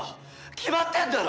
決まってんだろ！